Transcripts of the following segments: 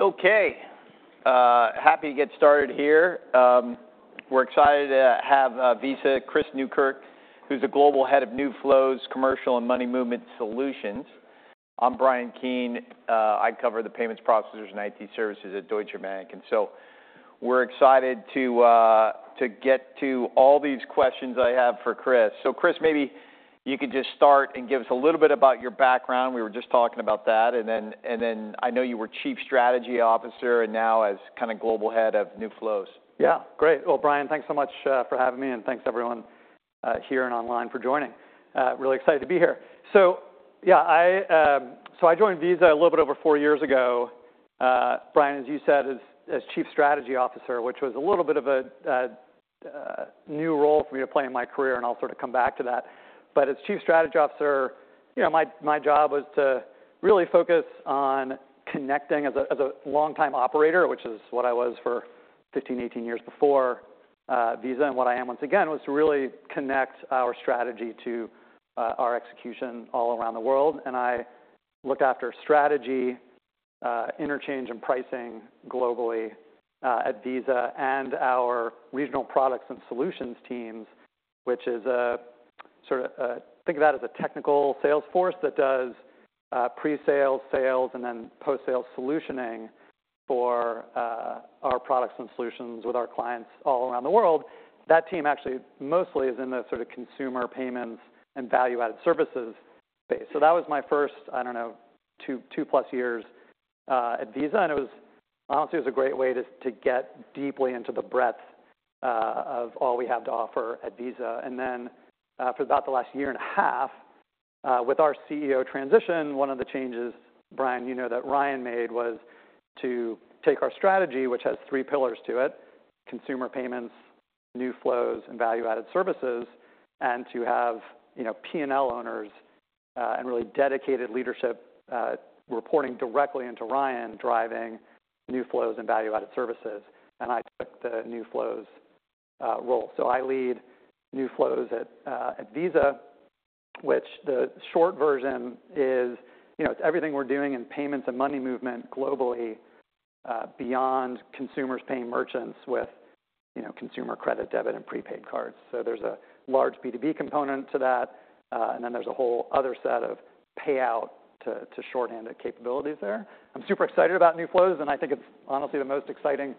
Okay, happy to get started here. We're excited to have Visa, Chris Newkirk, who's the Global Head of New Flows, Commercial and Money Movement Solutions. I'm Brian Keane. I cover the payment processors and IT services at Deutsche Bank. And so we're excited to get to all these questions I have for Chris. So Chris, maybe you could just start and give us a little bit about your background. We were just talking about that, and then I know you were Chief Strategy Officer, and now as kinda Global Head of New Flows. Yeah. Great. Well, Brian, thanks so much for having me, and thanks everyone here and online for joining. Really excited to be here. So yeah, so I joined Visa a little bit over four years ago, Brian, as you said, as Chief Strategy Officer, which was a little bit of a new role for me to play in my career, and I'll sort of come back to that. But as Chief Strategy Officer, you know, my job was to really focus on connecting as a longtime operator, which is what I was for fifteen, eighteen years before Visa. And what I am once again, was to really connect our strategy to our execution all around the world. And I looked after strategy, interchange and pricing globally, at Visa, and our regional products and solutions teams, which is a sort of, think of that as a technical sales force that does, pre-sale, sales, and then post-sale solutioning for, our products and solutions with our clients all around the world. That team actually, mostly is in the sort of consumer payments and value-added services space. So that was my first, I don't know, two, two-plus years, at Visa, and it was, honestly, it was a great way to get deeply into the breadth, of all we have to offer at Visa. And then, for about the last year and a half, with our CEO transition, one of the changes, Brian, you know, that Ryan made, was to take our strategy, which has three pillars to it: consumer payments, new flows, and value-added services, and to have, you know, P&L owners, and really dedicated leadership, reporting directly into Ryan, driving new flows and value-added services. And I took the new flows role. So I lead new flows at Visa, which the short version is, you know, it's everything we're doing in payments and money movement globally, beyond consumers paying merchants with, you know, consumer credit, debit, and prepaid cards. So there's a large B2B component to that, and then there's a whole other set of payouts to shorthand the capabilities there. I'm super excited about new flows, and I think it's honestly the most exciting,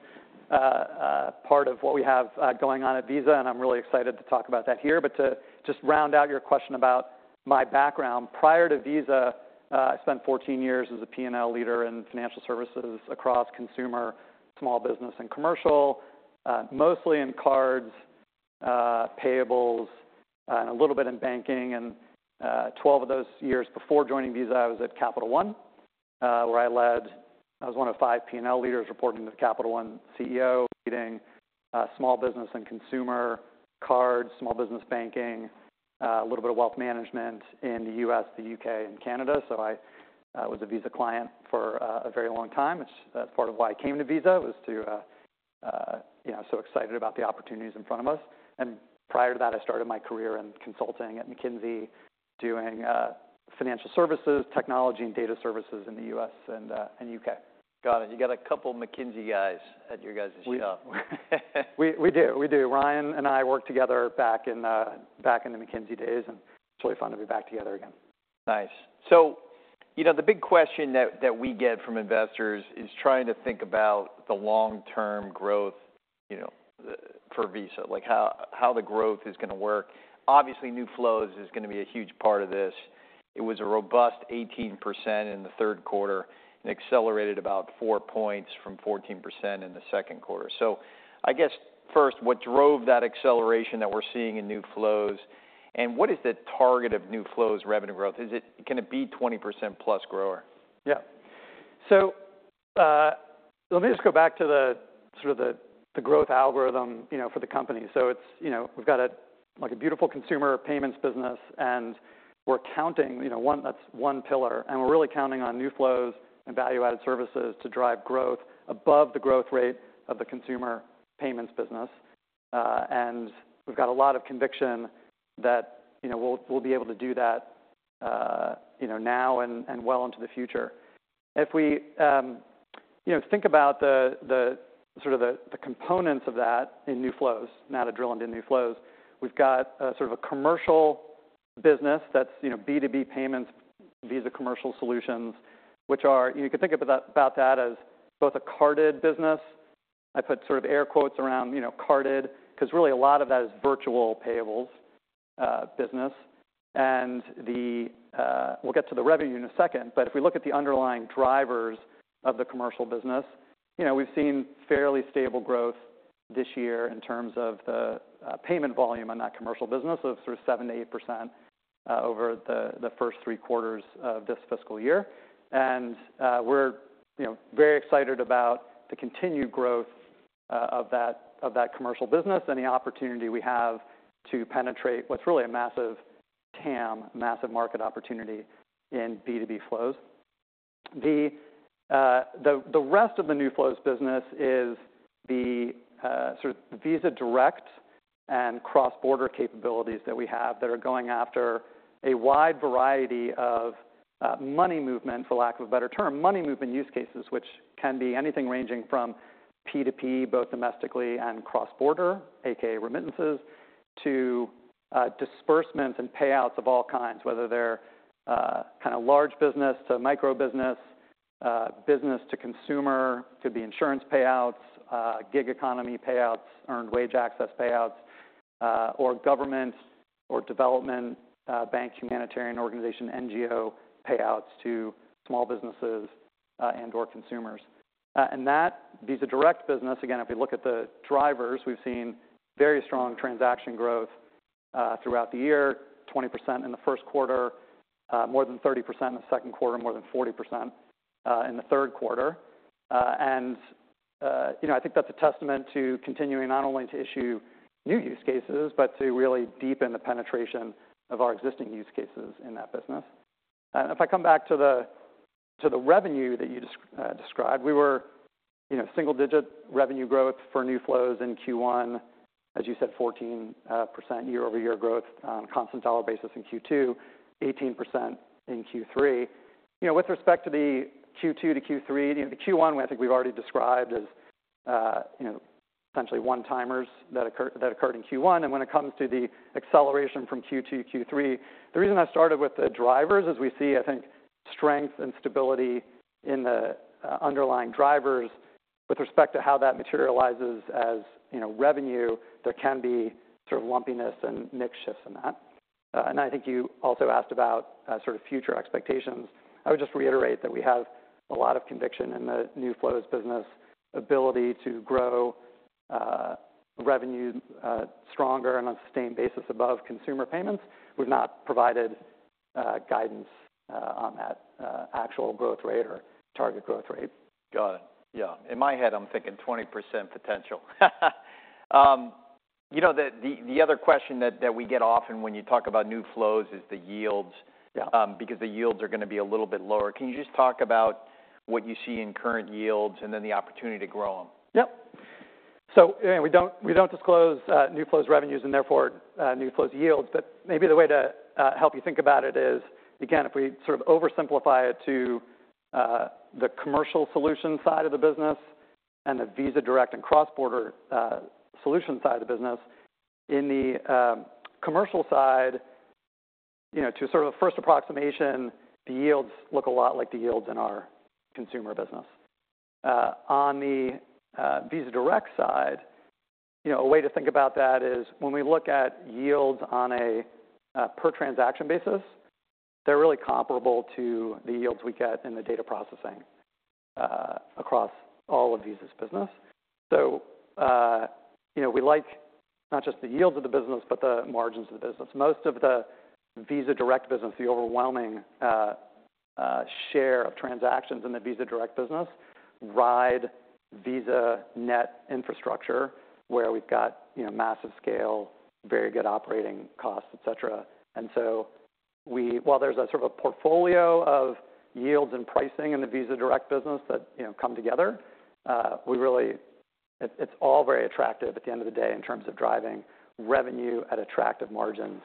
part of what we have, going on at Visa, and I'm really excited to talk about that here. But to just round out your question about my background, prior to Visa, I spent fourteen years as a P&L leader in financial services across consumer, small business, and commercial. Mostly in cards, payables, and a little bit in banking, and twelve of those years before joining Visa, I was at Capital One, where I was one of five P&L leaders reporting to the Capital One CEO, leading, small business and consumer cards, small business banking, a little bit of wealth management in the U.S., the U.K., and Canada. So I, was a Visa client for a very long time. It's part of why I came to Visa, was to, you know, so excited about the opportunities in front of us. And prior to that, I started my career in consulting at McKinsey, doing financial services, technology, and data services in the U.S. and U.K. Got it. You got a couple McKinsey guys at your guys' shop. We do. Ryan and I worked together back in the McKinsey days, and it's really fun to be back together again. Nice. So, you know, the big question that we get from investors is trying to think about the long-term growth, you know, the for Visa. Like, how the growth is gonna work. Obviously, new flows is gonna be a huge part of this. It was a robust 18% in the third quarter and accelerated about four points from 14% in the second quarter. So I guess, first, what drove that acceleration that we're seeing in new flows, and what is the target of new flows revenue growth? Is it? Can it be 20%+ grower? Yeah. So, let me just go back to the sort of the growth algorithm, you know, for the company. So it's, you know, we've got a like a beautiful consumer payments business, and we're counting, you know, one-- that's one pillar, and we're really counting on new flows and value-added services to drive growth above the growth rate of the consumer payments business. And we've got a lot of conviction that, you know, we'll be able to do that, you know, now and well into the future. If we, you know, think about the sort of the components of that in new flows, now to drill into new flows, we've got a sort of a commercial business that's, you know, B2B payments, Visa Commercial Solutions, which are... You can think about that as both a carded business. I put sort of air quotes around, you know, carded, 'cause really a lot of that is virtual payables, business. And the... We'll get to the revenue in a second, but if we look at the underlying drivers of the commercial business, you know, we've seen fairly stable growth this year in terms of the, payment volume on that commercial business of sort of 7%-8%, over the, the first three quarters of this fiscal year. And, we're, you know, very excited about the continued growth, of that, of that commercial business and the opportunity we have to penetrate what's really a massive TAM, massive market opportunity in B2B flows. The rest of the new flows business is the sort of Visa Direct and cross-border capabilities that we have, that are going after a wide variety of money movement, for lack of a better term, money movement use cases, which can be anything ranging from P2P, both domestically and cross-border, aka remittances, to disbursements and payouts of all kinds, whether they're kind of large business to micro-business, business to consumer, could be insurance payouts, gig economy payouts, earned wage access payouts, or government or development bank, humanitarian organization, NGO payouts to small businesses and/or consumers. And that Visa Direct business, again, if you look at the drivers, we've seen very strong transaction growth throughout the year, 20% in the first quarter, more than 30% in the second quarter, more than 40% in the third quarter. And, you know, I think that's a testament to continuing not only to issue new use cases, but to really deepen the penetration of our existing use cases in that business. And if I come back to the, to the revenue that you described, we were, you know, single digit revenue growth for new flows in Q1, as you said, 14% year-over-year growth on constant dollar basis in Q2, 18% in Q3. You know, with respect to the Q2 to Q3, you know, the Q1, I think we've already described as, you know, essentially one-timers that occurred in Q1. And when it comes to the acceleration from Q2 to Q3, the reason I started with the drivers, as we see, I think, strength and stability in the underlying drivers with respect to how that materializes as, you know, revenue, there can be sort of lumpiness and mix shifts in that. And I think you also asked about, sort of future expectations. I would just reiterate that we have a lot of conviction in the new flows business ability to grow, revenue, stronger and on a sustained basis above consumer payments. We've not provided, guidance, on that, actual growth rate or target growth rate. Got it. Yeah. In my head, I'm thinking 20% potential. You know, the other question that we get often when you talk about new flows is the yields- Yeah. Because the yields are gonna be a little bit lower. Can you just talk about what you see in current yields and then the opportunity to grow them? Yep. So, yeah, we don't disclose new flows revenues and therefore new flows yields. But maybe the way to help you think about it is, again, if we sort of oversimplify it to the commercial solution side of the business and the Visa Direct and cross-border solution side of the business. In the commercial side, you know, to sort of a first approximation, the yields look a lot like the yields in our consumer business. On the Visa Direct side, you know, a way to think about that is when we look at yields on a per transaction basis, they're really comparable to the yields we get in the data processing across all of Visa's business. So, you know, we like not just the yields of the business, but the margins of the business. Most of the Visa Direct business, the overwhelming share of transactions in the Visa Direct business, ride VisaNet infrastructure, where we've got, you know, massive scale, very good operating costs, et cetera. And so we- while there's a sort of a portfolio of yields and pricing in the Visa Direct business that, you know, come together, we really... It's, it's all very attractive at the end of the day in terms of driving revenue at attractive margins,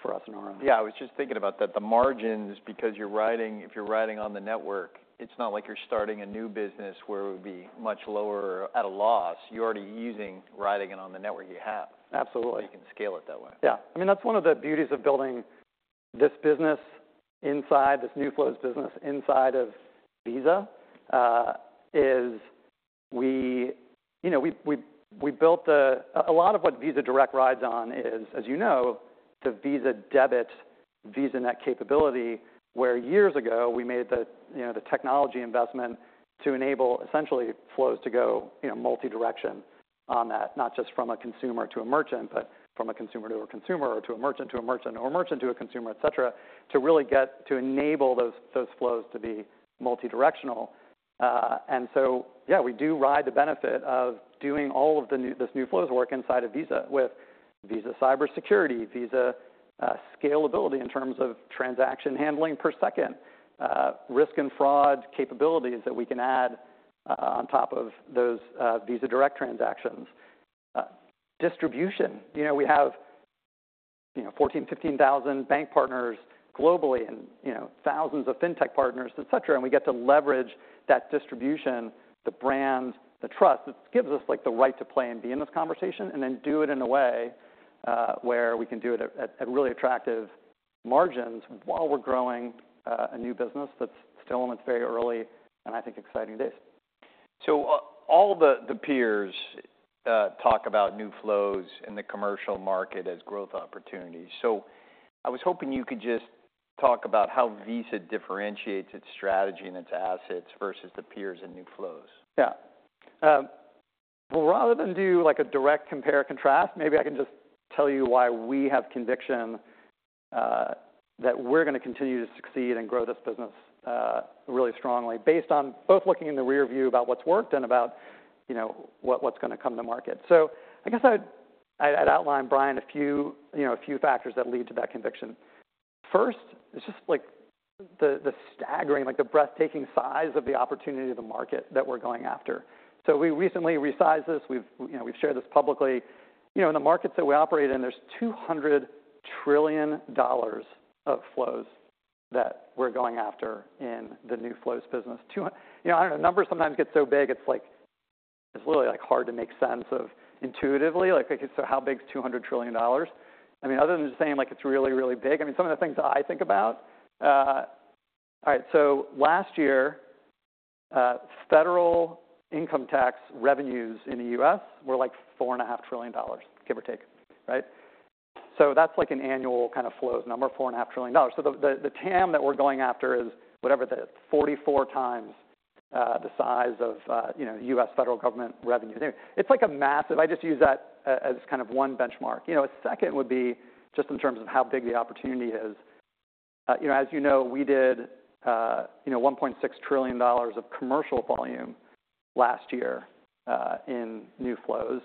for us in our own. Yeah, I was just thinking about that. The margins, because if you're riding on the network, it's not like you're starting a new business where it would be much lower at a loss. You're already using, riding it on the network you have. Absolutely. You can scale it that way. Yeah. I mean, that's one of the beauties of building this business inside, this new flows business inside of Visa, is, you know, we built a lot of what Visa Direct rides on is, as you know, the Visa Debit, VisaNet capability, where years ago we made, you know, the technology investment to enable essentially flows to go, you know, multi-direction on that, not just from a consumer to a merchant, but from a consumer to a consumer, or to a merchant to a merchant, or a merchant to a consumer, et cetera, to really get to enable those flows to be multi-directional. And so yeah, we do ride the benefit of doing all of this new flows work inside of Visa, with Visa cybersecurity, Visa scalability in terms of transaction handling per second, risk and fraud capabilities that we can add on top of those Visa Direct transactions. Distribution, you know, we have, you know, 14, 15 thousand bank partners globally and, you know, thousands of fintech partners, et cetera, and we get to leverage that distribution, the brand, the trust. It gives us, like, the right to play and be in this conversation, and then do it in a way where we can do it at really attractive margins while we're growing a new business that's still in its very early, and I think, exciting days. So all the peers talk about new flows in the commercial market as growth opportunities. So I was hoping you could just talk about how Visa differentiates its strategy and its assets versus the peers and new flows. Yeah. Well, rather than do like a direct compare or contrast, maybe I can just tell you why we have conviction that we're gonna continue to succeed and grow this business really strongly, based on both looking in the rearview about what's worked and about, you know, what what's gonna come to market. So I guess I'd outlined, Brian, a few, you know, a few factors that lead to that conviction. First, it's just like the staggering, like the breathtaking size of the opportunity of the market that we're going after. So we recently resized this. We've, you know, we've shared this publicly. You know, in the markets that we operate in, there's $200 trillion of flows that we're going after in the new flows business. You know, I don't know, numbers sometimes get so big, it's like... It's really, like, hard to make sense of intuitively. Like, so how big is $200 trillion? I mean, other than just saying, like, it's really, really big, I mean, some of the things that I think about. All right, so last year, federal income tax revenues in the U.S. were, like, $4.5 trillion, give or take, right? So that's like an annual kind of flows number, $4.5 trillion. So the, the, the TAM that we're going after is, whatever, 44 times, the size of, you know, U.S. federal government revenue. It's like a massive. I just use that as kind of one benchmark. You know, a second would be just in terms of how big the opportunity is. You know, as you know, we did, you know, $1.6 trillion of commercial volume last year, in new flows.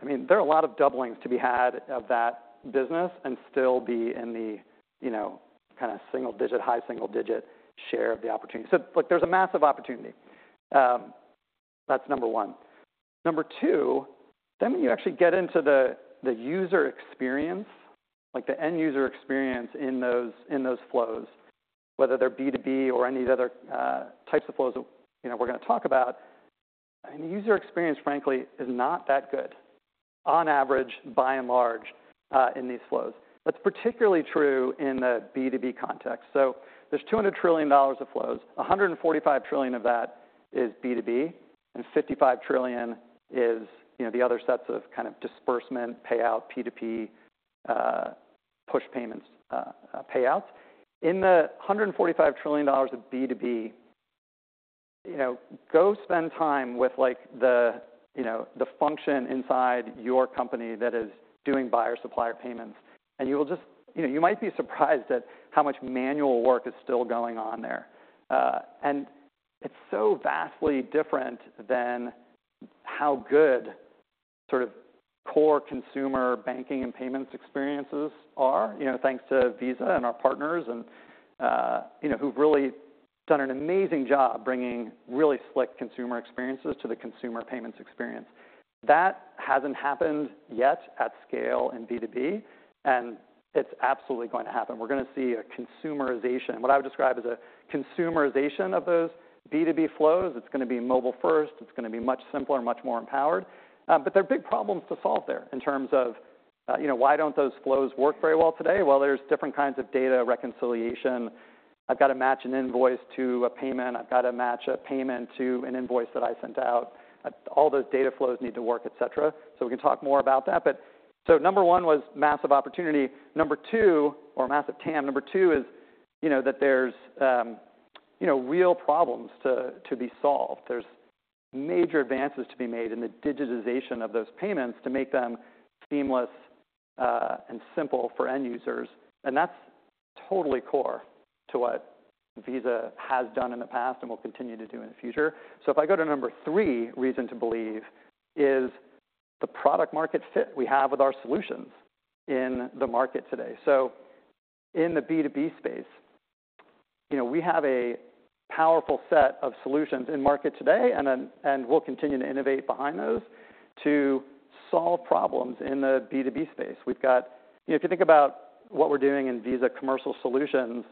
I mean, there are a lot of doublings to be had of that business and still be in the, you know, kind of single digit, high single digit share of the opportunity. So, look, there's a massive opportunity. That's number one. Number two, then when you actually get into the user experience, like the end user experience in those flows, whether they're B2B or any of the other types of flows that, you know, we're gonna talk about, and the user experience, frankly, is not that good on average, by and large, in these flows. That's particularly true in the B2B context. So there's $200 trillion of flows. $145 trillion of that is B2B, and $55 trillion is, you know, the other sets of kind of disbursement, payout, P2P, push payments, payouts. In the $145 trillion of B2B, you know, go spend time with, like, the, you know, the function inside your company that is doing buyer-supplier payments, and you will just, you know, you might be surprised at how much manual work is still going on there, and it's so vastly different than how good sort of core consumer banking and payments experiences are, you know, thanks to Visa and our partners and, you know, who've really done an amazing job bringing really slick consumer experiences to the consumer payments experience. That hasn't happened yet at scale in B2B, and it's absolutely going to happen. We're gonna see a consumerization, what I would describe as a consumerization of those B2B flows. It's gonna be mobile first. It's gonna be much simpler and much more empowered, but there are big problems to solve there in terms of, you know, why don't those flows work very well today, well, there's different kinds of data reconciliation. I've got to match an invoice to a payment. I've got to match a payment to an invoice that I sent out. All those data flows need to work, et cetera, so we can talk more about that, but so number one was massive opportunity. Number two, or massive TAM, number two is, you know, that there's, you know, real problems to be solved. There's major advances to be made in the digitization of those payments to make them seamless and simple for end users, and that's totally core to what Visa has done in the past and will continue to do in the future. So if I go to number three reason to believe, is the product market fit we have with our solutions in the market today. So in the B2B space, you know, we have a powerful set of solutions in market today, and then, and we'll continue to innovate behind those to solve problems in the B2B space. We've got you know, if you think about what we're doing in Visa Commercial Solutions,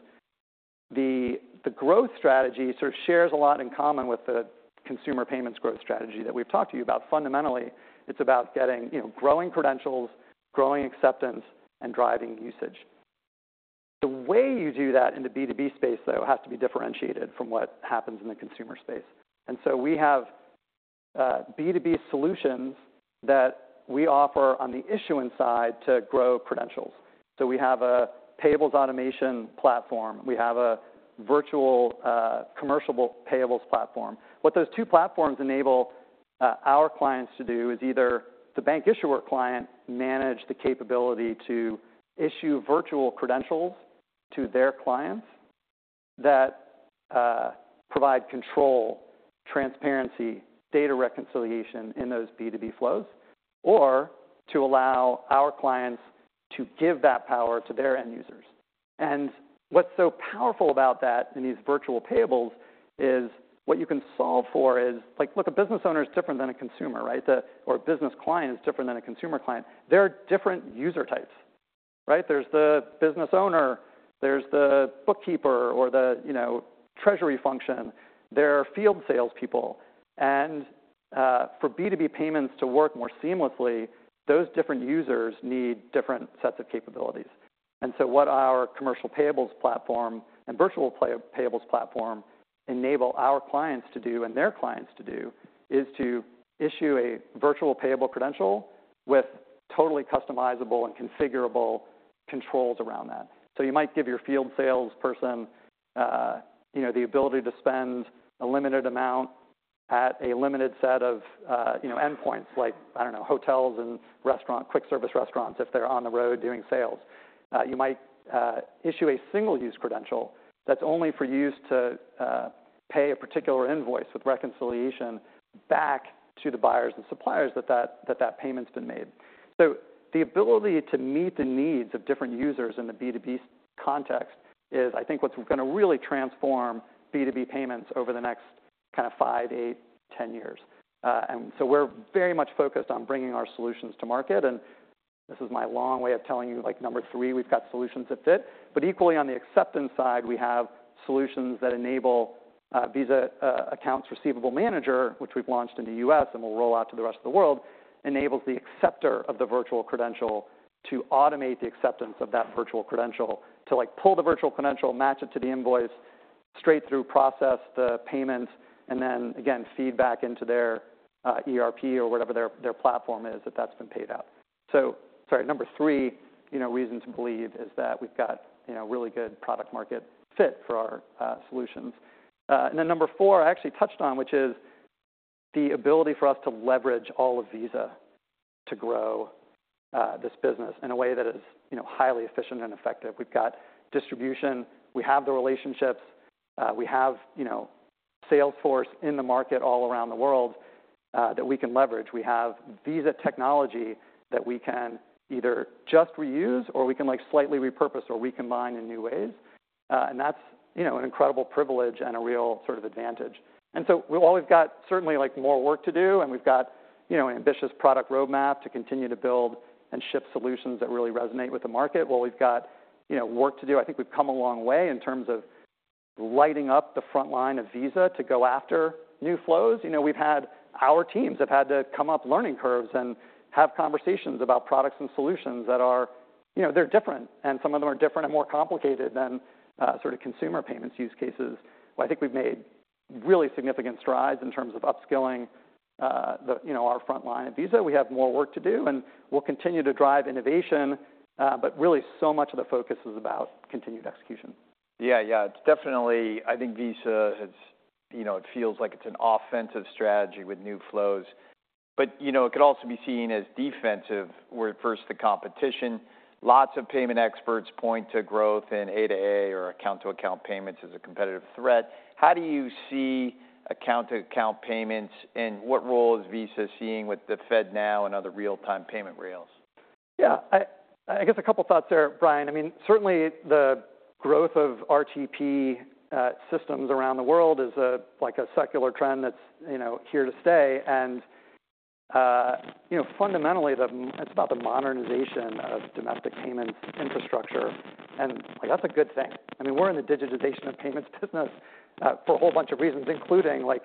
the growth strategy sort of shares a lot in common with the consumer payments growth strategy that we've talked to you about. Fundamentally, it's about getting, you know, growing credentials, growing acceptance, and driving usage. The way you do that in the B2B space, though, has to be differentiated from what happens in the consumer space, and so we have B2B solutions that we offer on the issuance side to grow credentials, so we have a payables automation platform. We have a virtual commercial payables platform. What those two platforms enable our clients to do is either the bank issuer client manage the capability to issue virtual credentials to their clients that provide control, transparency, data reconciliation in those B2B flows, or to allow our clients to give that power to their end users, and what's so powerful about that in these virtual payables is what you can solve for is, like, look, a business owner is different than a consumer, right? Or a business client is different than a consumer client. There are different user types, right? There's the business owner, there's the bookkeeper, or the, you know, treasury function. There are field salespeople. And, for B2B payments to work more seamlessly, those different users need different sets of capabilities. And so what our commercial payables platform and virtual payables platform enable our clients to do, and their clients to do, is to issue a virtual payable credential with totally customizable and configurable controls around that. So you might give your field salesperson, you know, the ability to spend a limited amount at a limited set of, you know, endpoints like, I don't know, hotels and restaurants, quick service restaurants, if they're on the road doing sales. You might issue a single-use credential that's only for use to pay a particular invoice with reconciliation back to the buyers and suppliers that payment's been made. So the ability to meet the needs of different users in the B2B space context is I think what's gonna really transform B2B payments over the next kind of five, eight, ten years, and so we're very much focused on bringing our solutions to market, and this is my long way of telling you, like, number three, we've got solutions that fit, but equally on the acceptance side, we have solutions that enable Visa Accounts Receivable Manager, which we've launched in the U.S. and will roll out to the rest of the world, enables the acceptor of the virtual credential to automate the acceptance of that virtual credential, to, like, pull the virtual credential, match it to the invoice, straight-through process the payment, and then, again, feed back into their ERP or whatever their platform is, that that's been paid out. So sorry, number three, you know, reason to believe is that we've got, you know, really good product market fit for our solutions. And then number four, I actually touched on, which is the ability for us to leverage all of Visa to grow this business in a way that is, you know, highly efficient and effective. We've got distribution, we have the relationships, we have, you know, sales force in the market all around the world that we can leverage. We have Visa technology that we can either just reuse or we can, like, slightly repurpose or recombine in new ways. And that's, you know, an incredible privilege and a real sort of advantage. And so while we've got certainly, like, more work to do, and we've got, you know, an ambitious product roadmap to continue to build and ship solutions that really resonate with the market, while we've got, you know, work to do, I think we've come a long way in terms of lighting up the frontline of Visa to go after new flows. You know, our teams have had to come up learning curves and have conversations about products and solutions that are... You know, they're different, and some of them are different and more complicated than sort of consumer payments use cases. But I think we've made really significant strides in terms of upskilling the, you know, our frontline at Visa. We have more work to do, and we'll continue to drive innovation, but really so much of the focus is about continued execution. Yeah, yeah. It's definitely, I think Visa has, you know, it feels like it's an offensive strategy with new flows, but, you know, it could also be seen as defensive where it refers to competition. Lots of payment experts point to growth in A2A or account-to-account payments as a competitive threat. How do you see account-to-account payments, and what role is Visa seeing with the FedNow and other real-time payment rails? Yeah. I guess a couple thoughts there, Brian. I mean, certainly the growth of RTP systems around the world is like a secular trend that's you know here to stay. And you know fundamentally it's about the modernization of domestic payment infrastructure, and like that's a good thing. I mean, we're in the digitization of payments business for a whole bunch of reasons, including like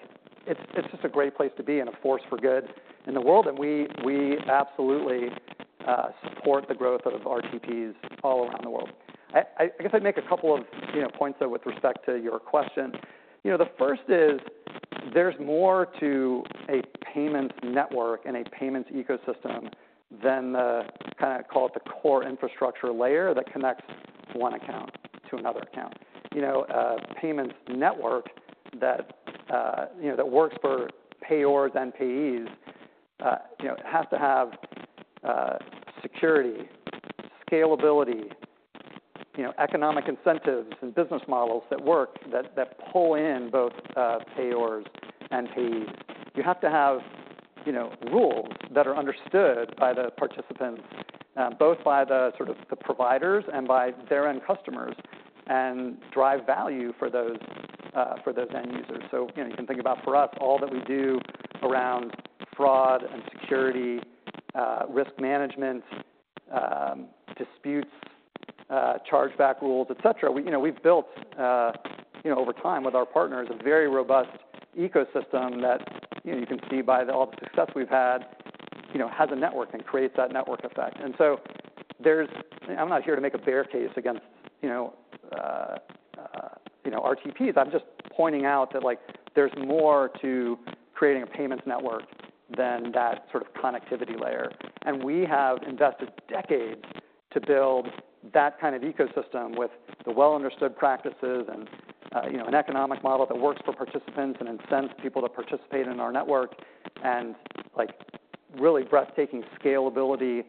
it's just a great place to be and a force for good in the world. And we absolutely support the growth of RTPs all around the world. I guess I'd make a couple of you know points though with respect to your question. You know, the first is, there's more to a payments network and a payments ecosystem than the, kind of, call it the core infrastructure layer that connects one account to another account. You know, a payments network that, you know, that works for payers and payees, you know, has to have, security, scalability, you know, economic incentives and business models that work, that pull in both, payers and payees. You have to have, you know, rules that are understood by the participants, both by the sort of the providers and by their end customers, and drive value for those end users. So, you know, you can think about, for us, all that we do around fraud and security, risk management, disputes, chargeback rules, et cetera. We, you know, we've built, you know, over time with our partners, a very robust ecosystem that, you know, you can see by all the success we've had, you know, has a network and creates that network effect. And so there's- I'm not here to make a bear case against, you know, you know, RTPs. I'm just pointing out that, like, there's more to creating a payments network than that sort of connectivity layer. And we have invested decades to build that kind of ecosystem with the well-understood practices and, you know, an economic model that works for participants and incents people to participate in our network, and, like, really breathtaking scalability,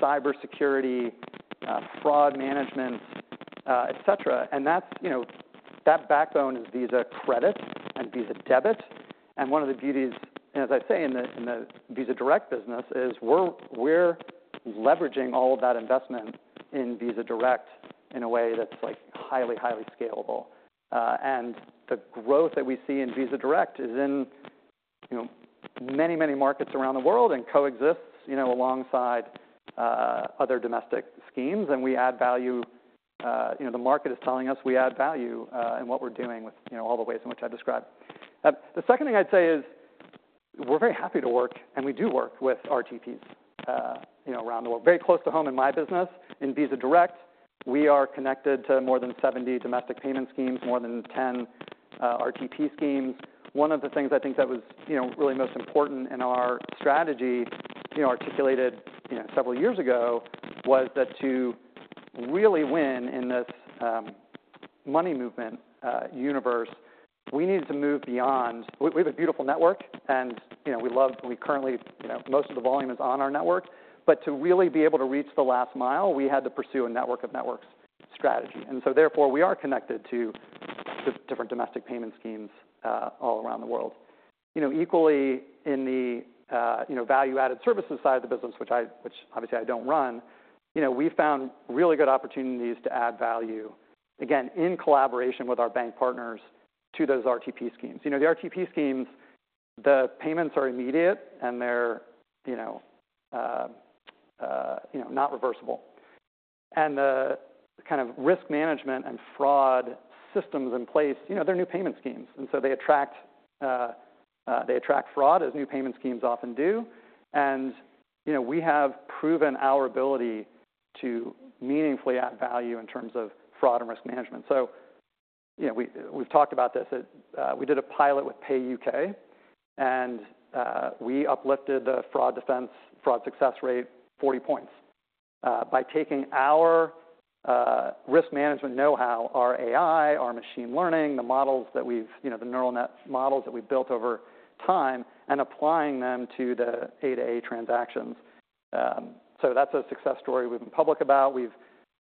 cybersecurity, fraud management, et cetera. And that's, you know, that backbone is Visa Credit and Visa debit. And one of the beauties, and as I say in the Visa Direct business, is we're leveraging all of that investment in Visa Direct in a way that's, like, highly, highly scalable. And the growth that we see in Visa Direct is in, you know, many, many markets around the world and coexists, you know, alongside other domestic schemes. And we add value. You know, the market is telling us we add value in what we're doing with, you know, all the ways in which I described. The second thing I'd say is, we're very happy to work, and we do work with RTPs, you know, around the world. Very close to home in my business, in Visa Direct, we are connected to more than 70 domestic payment schemes, more than 10 RTP schemes. One of the things I think that was, you know, really most important in our strategy, you know, articulated, you know, several years ago, was that to really win in this money movement universe, we needed to move beyond. We have a beautiful network, and, you know, we currently, you know, most of the volume is on our network, but to really be able to reach the last mile, we had to pursue a network of networks strategy, and so therefore we are connected to different domestic payment schemes all around the world. You know, equally in the value-added services side of the business, which obviously I don't run, you know, we found really good opportunities to add value, again, in collaboration with our bank partners to those RTP schemes. You know, the RTP schemes, the payments are immediate, and they're, you know, not reversible. The kind of risk management and fraud systems in place, you know, they're new payment schemes, and so they attract fraud as new payment schemes often do. You know, we have proven our ability to meaningfully add value in terms of fraud and risk management. So, you know, we've talked about this. We did a pilot with Pay.UK, and we uplifted the fraud defense, fraud success rate 40 points, by taking our risk management know-how, our AI, our machine learning, the models that we've, you know, the neural net models that we've built over time, and applying them to the A2A transactions. So that's a success story we've been public about. We've,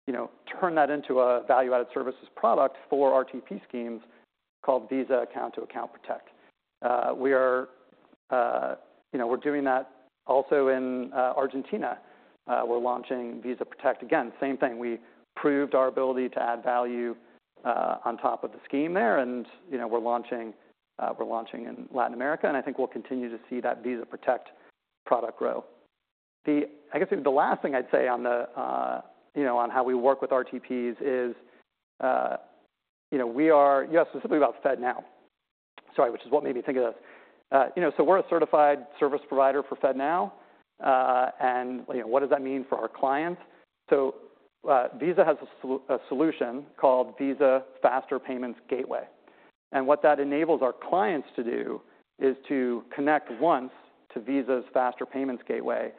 you know, turned that into a value-added services product for RTP schemes called Visa Account-to-Account Protect. We are, you know, we're doing that also in Argentina. We're launching Visa Protect. Again, same thing, we proved our ability to add value on top of the scheme there, and, you know, we're launching in Latin America, and I think we'll continue to see that Visa Protect product grow. I guess the last thing I'd say on the, you know, on how we work with RTPs is, you know, we are. You asked specifically about FedNow. Sorry, which is what made me think of this. You know, so we're a certified service provider for FedNow. And, you know, what does that mean for our clients? Visa has a solution called Visa Faster Payments Gateway. What that enables our clients to do is to connect once to Visa's Faster Payments Gateway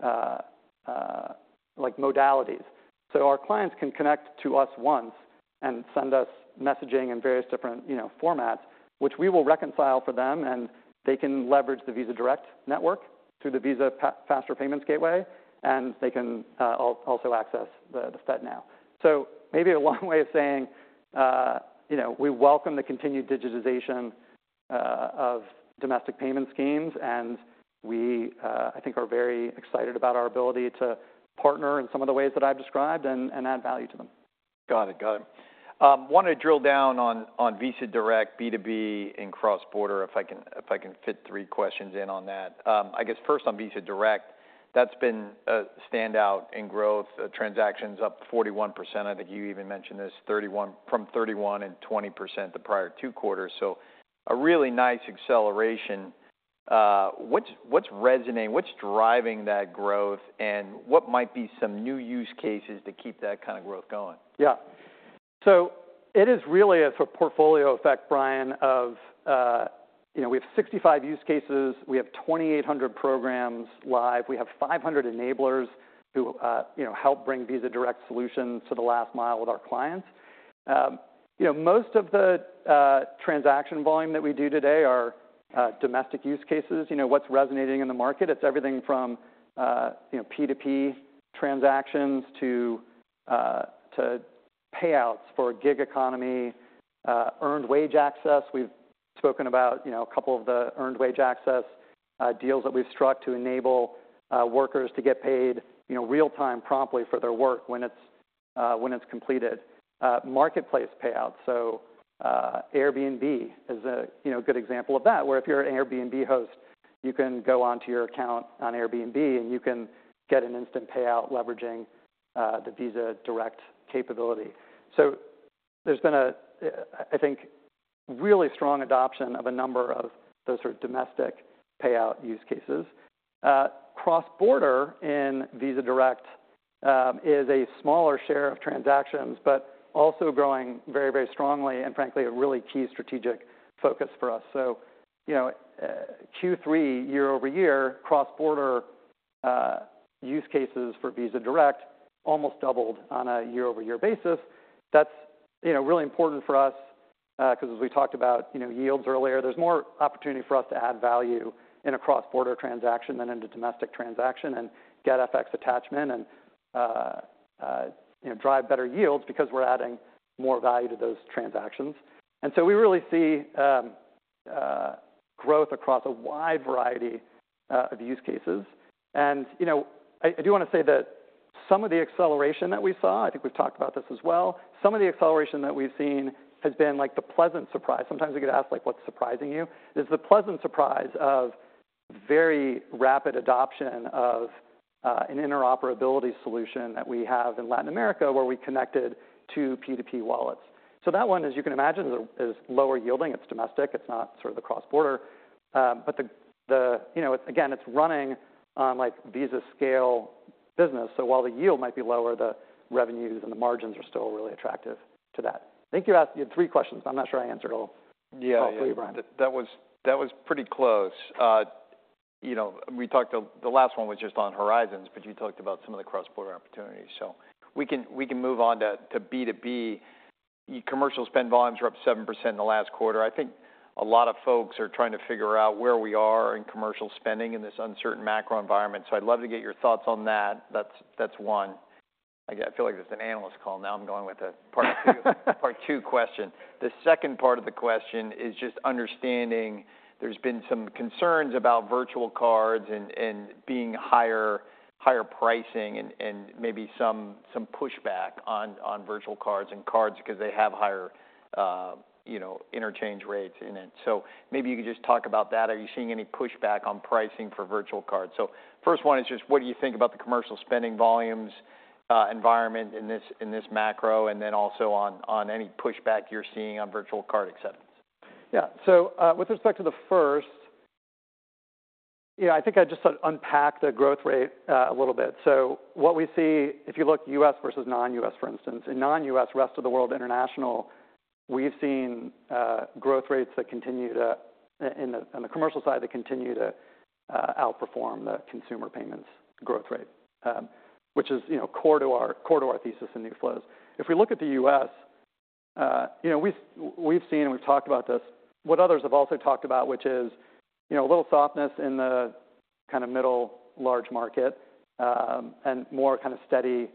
and get access to multiple faster payments, like modalities. Our clients can connect to us once and send us messaging in various different, you know, formats, which we will reconcile for them, and they can leverage the Visa Direct network through the Visa Faster Payments Gateway, and they can also access the FedNow. Maybe a long way of saying, you know, we welcome the continued digitization of domestic payment schemes, and we, I think are very excited about our ability to partner in some of the ways that I've described and add value to them. Got it. Got it. Want to drill down on Visa Direct, B2B, and cross-border, if I can fit three questions in on that. I guess first on Visa Direct, that's been a standout in growth, transactions up 41%. I think you even mentioned this, 31% from 31% and 20% the prior two quarters. So a really nice acceleration. What's resonating? What's driving that growth, and what might be some new use cases to keep that kind of growth going? Yeah. So it is really a portfolio effect, Brian, of, you know, we have 65 use cases, we have 2,800 programs live, we have 500 enablers who, you know, help bring Visa Direct solutions to the last mile with our clients. You know, most of the transaction volume that we do today are domestic use cases. You know, what's resonating in the market? It's everything from, you know, P2P transactions to payouts for gig economy earned wage access. We've spoken about, you know, a couple of the earned wage access deals that we've struck to enable workers to get paid, you know, real-time promptly for their work when it's completed. Marketplace payouts, so, Airbnb is a, you know, good example of that, where if you're an Airbnb host, you can go onto your account on Airbnb, and you can get an instant payout leveraging, the Visa Direct capability. So there's been a, I think, really strong adoption of a number of those sort of domestic payout use cases. Cross-border in Visa Direct, is a smaller share of transactions, but also growing very, very strongly and frankly, a really key strategic focus for us. So, you know, Q3 year-over-year, cross-border, use cases for Visa Direct almost doubled on a year-over-year basis. That's, you know, really important for us, 'cause as we talked about, you know, yields earlier, there's more opportunity for us to add value in a cross-border transaction than in a domestic transaction and get FX attachment and, you know, drive better yields because we're adding more value to those transactions. And so we really see growth across a wide variety of use cases. And, you know, I do want to say that some of the acceleration that we saw, I think we've talked about this as well, some of the acceleration that we've seen has been like the pleasant surprise. Sometimes we get asked, like, "What's surprising you?" It's the pleasant surprise of very rapid adoption of an interoperability solution that we have in Latin America, where we connected two P2P wallets. So that one, as you can imagine, is lower yielding. It's domestic. It's not sort of the cross-border. But you know, again, it's running on, like, Visa's scale business. So while the yield might be lower, the revenues and the margins are still really attractive to that. I think you asked me three questions, but I'm not sure I answered all- Yeah All three, Brian. That was pretty close. You know, we talked. The last one was just on Horizons, but you talked about some of the cross-border opportunities. So we can move on to B2B. Commercial spend volumes were up 7% in the last quarter. I think a lot of folks are trying to figure out where we are in commercial spending in this uncertain macro environment, so I'd love to get your thoughts on that. That's one. I feel like this is an analyst call now. I'm going with a part two question. The second part of the question is just understanding there's been some concerns about virtual cards and being higher pricing and maybe some pushback on virtual cards and cards because they have higher, you know, interchange rates in it. So maybe you could just talk about that. Are you seeing any pushback on pricing for virtual cards? So first one is just what do you think about the commercial spending volumes environment in this macro? And then also on any pushback you're seeing on virtual card acceptance. Yeah. So, with respect to the first, yeah, I think I'd just unpack the growth rate, a little bit. So what we see, if you look U.S. versus non-U.S., for instance, in non-U.S., rest of the world international, we've seen, growth rates that continue to, in the commercial side, that continue to outperform the consumer payments growth rate, which is, you know, core to our thesis in new flows. If we look at the U.S., you know, we've seen, and we've talked about this, what others have also talked about, which is, you know, a little softness in the kind of middle large market, and more kind of steady,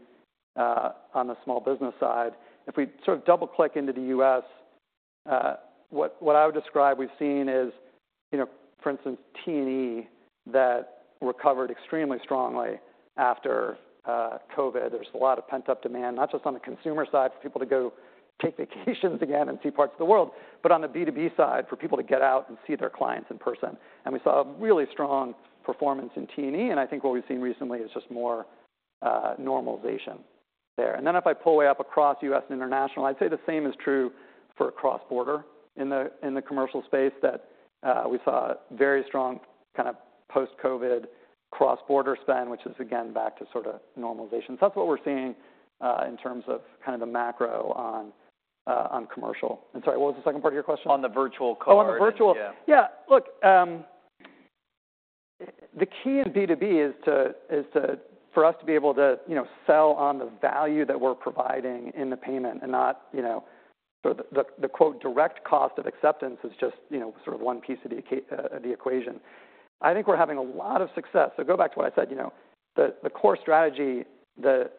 on the small business side. If we sort of double-click into the U.S., what I would describe we've seen is, you know, for instance, T&E, that recovered extremely strongly after COVID. There's a lot of pent-up demand, not just on the consumer side, for people to go take vacations again and see parts of the world, but on the B2B side, for people to get out and see their clients in person. And we saw a really strong performance in T&E, and I think what we've seen recently is just more normalization there. And then if I pull way up across U.S. and international, I'd say the same is true for cross-border in the commercial space, that we saw a very strong kind of post-COVID cross-border spend, which is, again, back to sort of normalization. That's what we're seeing in terms of kind of the macro on commercial. I'm sorry, what was the second part of your question? On the virtual card. Oh, on the virtual- Yeah. Yeah. Look, the key in B2B is to for us to be able to, you know, sell on the value that we're providing in the payment and not, you know. So the quote, "direct cost" of acceptance is just, you know, sort of one piece of the equation. I think we're having a lot of success. So go back to what I said, you know, the core strategy, you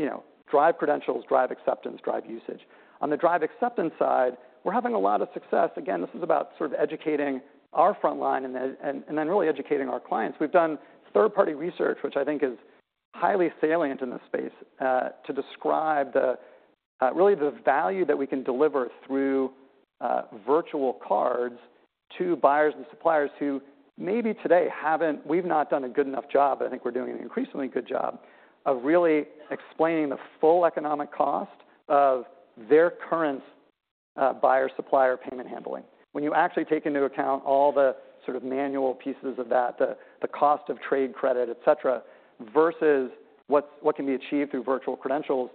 know, drive credentials, drive acceptance, drive usage. On the drive acceptance side, we're having a lot of success. Again, this is about sort of educating our frontline and then really educating our clients. We've done third-party research, which I think is highly salient in this space, to describe really the value that we can deliver through virtual cards to buyers and suppliers who maybe today we've not done a good enough job, but I think we're doing an increasingly good job, of really explaining the full economic cost of their current buyer-supplier payment handling. When you actually take into account all the sort of manual pieces of that, the cost of trade credit, et cetera, versus what can be achieved through virtual credentials,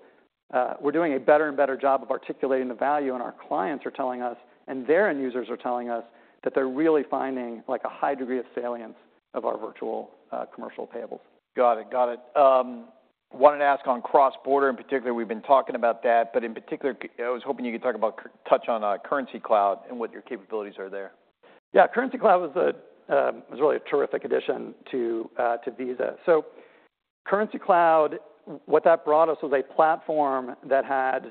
we're doing a better and better job of articulating the value, and our clients are telling us, and their end users are telling us, that they're really finding like a high degree of salience of our virtual commercial payables. Got it. Got it. Wanted to ask on cross-border in particular. We've been talking about that, but in particular, I was hoping you could talk about, touch on, Currencycloud and what your capabilities are there. Yeah, Currencycloud was a was really a terrific addition to to Visa. So Currencycloud, what that brought us was a platform that had,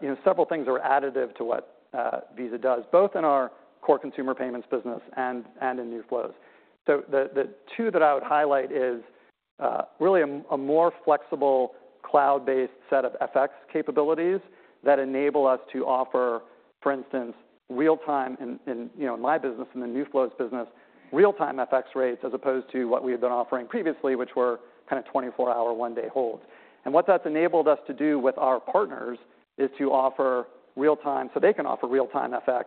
you know, several things that were additive to what Visa does, both in our core consumer payments business and in new flows. So the two that I would highlight is really a more flexible cloud-based set of FX capabilities that enable us to offer, for instance, real-time, in my business, in the new flows business, real-time FX rates, as opposed to what we had been offering previously, which were kind of twenty-four-hour, one-day holds. And what that's enabled us to do with our partners is to offer real-time, so they can offer real-time FX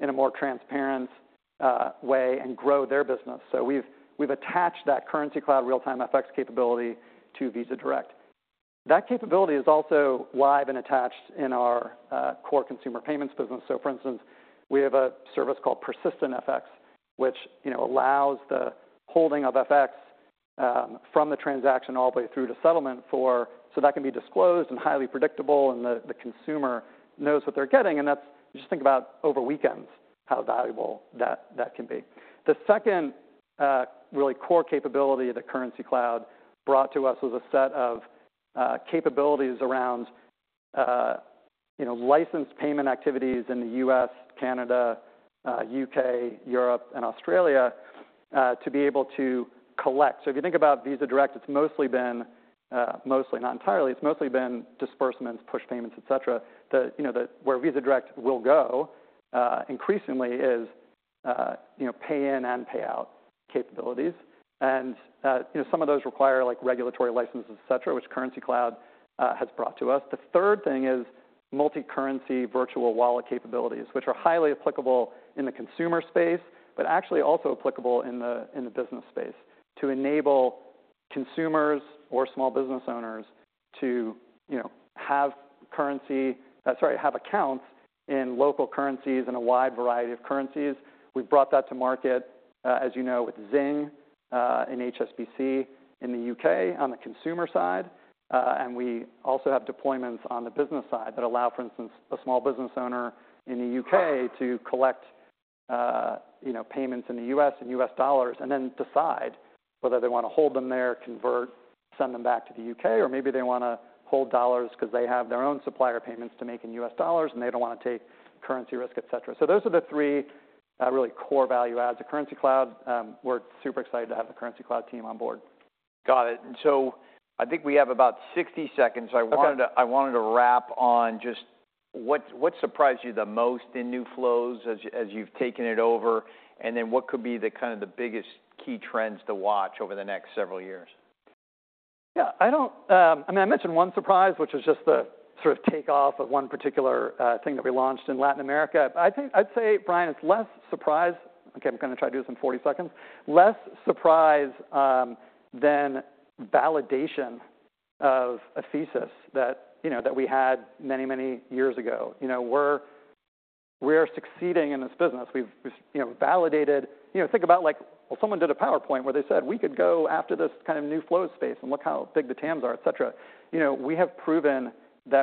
in a more transparent way and grow their business. So we've attached that Currencycloud real-time FX capability to Visa Direct. That capability is also live and attached in our core consumer payments business. So for instance, we have a service called Persistent FX, which you know allows the holding of FX from the transaction all the way through to settlement so that can be disclosed and highly predictable, and the consumer knows what they're getting, and that's. Just think about over weekends how valuable that can be. The second really core capability that Currencycloud brought to us was a set of capabilities around you know licensed payment activities in the U.S., Canada, U.K., Europe, and Australia to be able to collect. So if you think about Visa Direct, it's mostly been disbursements, push payments, et cetera, not entirely. You know, where Visa Direct will go increasingly is, you know, pay in and pay out capabilities. And you know, some of those require, like, regulatory licenses, et cetera, which Currencycloud has brought to us. The third thing is multicurrency virtual wallet capabilities, which are highly applicable in the consumer space, but actually also applicable in the business space, to enable consumers or small business owners to, you know, have accounts in local currencies in a wide variety of currencies. We've brought that to market, as you know, with Zing and HSBC in the UK on the consumer side. And we also have deployments on the business side that allow, for instance, a small business owner in the U.K. to collect, you know, payments in the U.S. and U.S. dollars, and then decide whether they wanna hold them there, convert, send them back to the U.K., or maybe they wanna hold dollars 'cause they have their own supplier payments to make in U.S. dollars, and they don't wanna take currency risk, et cetera. So those are the three, really core value adds. The Currencycloud, we're super excited to have the Currencycloud team on board. Got it. So I think we have about sixty seconds. Okay. I wanted to wrap on just what surprised you the most in New flows as you've taken it over? What could be the kind of biggest key trends to watch over the next several years? Yeah, I don't, I mean, I mentioned one surprise, which is just the sort of take off of one particular thing that we launched in Latin America. I think I'd say, Brian, it's less surprise. Okay, I'm gonna try to do this in forty seconds. Less surprise than validation of a thesis that, you know, that we had many, many years ago. You know, we're, we are succeeding in this business. We've, you know, validated. You know, think about like, well, someone did a PowerPoint where they said, "We could go after this kind of new flow space and look how big the TAMs are," et cetera. You know, we have proven that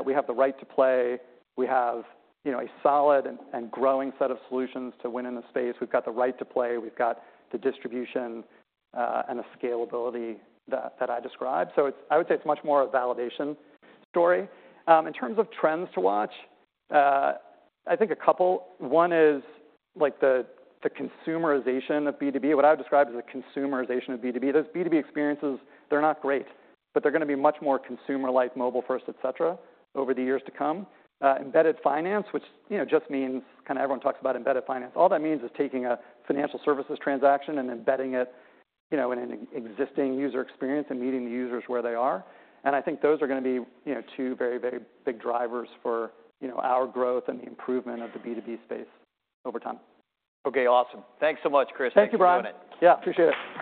we have the right to play. We have, you know, a solid and growing set of solutions to win in the space. We've got the right to play, we've got the distribution, and the scalability that I described. So it's. I would say it's much more a validation story. In terms of trends to watch, I think a couple. One is like the consumerization of B2B. What I would describe as a consumerization of B2B. Those B2B experiences, they're not great, but they're gonna be much more consumer life, mobile first, et cetera, over the years to come. Embedded finance, which, you know, just means kind of everyone talks about embedded finance. All that means is taking a financial services transaction and embedding it, you know, in an existing user experience and meeting the users where they are, and I think those are gonna be, you know, two very, very big drivers for, you know, our growth and the improvement of the B2B space over time. Okay, awesome. Thanks so much, Chris. Thank you, Brian. Thanks for doing it. Yeah, appreciate it.